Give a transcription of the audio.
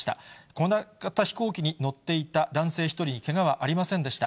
小型飛行機に乗っていた男性１人にけがはありませんでした。